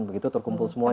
begitu terkumpul semuanya